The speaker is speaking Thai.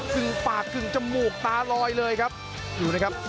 กึ่งปากกึ่งจมูกตาลอยเลยครับดูนะครับ